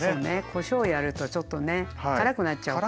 こしょうやるとちょっとね辛くなっちゃうから。